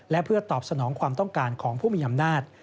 และเพื่อตอบสนองความต้องการของผู้มีอำนาจ